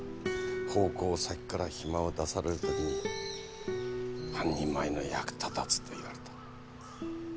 奉公先から暇を出された時半人前の役立たずと言われた。